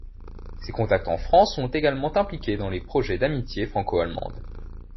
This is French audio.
Ses contacts en France l'ont également impliqué dans les projets d'amitié franco-allemande.